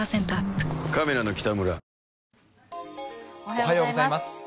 おはようございます。